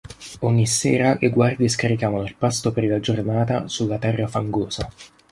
Ogni sera le guardie scaricavano il pasto per la giornata sulla terra fangosa.